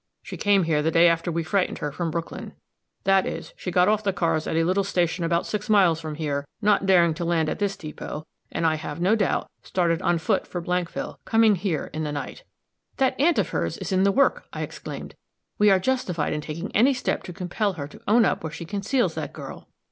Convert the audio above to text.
She came here the day after we frightened her from Brooklyn that is, she got off the cars at a little station about six miles from here, not daring to land at this depot, and, I have no doubt, started on foot for Blankville, coming here in the night." "That aunt of hers is in the work," I exclaimed. "We are justified in taking any step to compel her to own up where she conceals that girl."